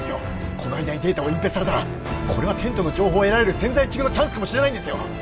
この間にデータを隠蔽されたらこれはテントの情報を得られる千載一遇のチャンスかもしれないんですよ